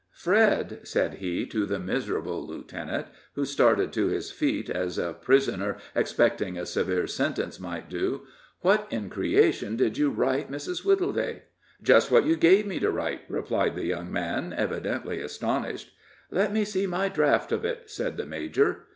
"Fred," said he to the miserable lieutenant, who started to his feet as a prisoner expecting a severe sentence might do, "what in creation did you write Mrs. Wittleday?" "Just what you gave me to write," replied the young man, evidently astonished. "Let me see my draft of it," said the major.